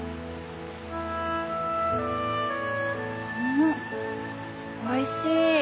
んっおいしい。